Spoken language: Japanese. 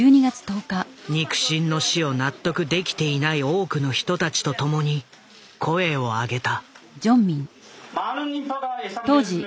肉親の死を納得できていない多くの人たちと共に声を上げた。